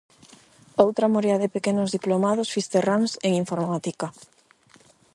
Outra morea de pequenos diplomados fisterráns en informática.